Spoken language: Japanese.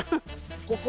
ここ？